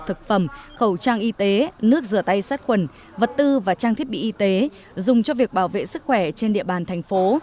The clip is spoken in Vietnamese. thực phẩm khẩu trang y tế nước rửa tay sát khuẩn vật tư và trang thiết bị y tế dùng cho việc bảo vệ sức khỏe trên địa bàn thành phố